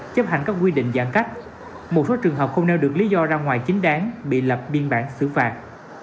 chấp hành các quy định giãn cách một số trường hợp không nêu được lý do ra ngoài chính đáng bị lập biên bản xử phạt